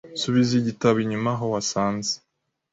Subiza igitabo inyuma aho wasanze.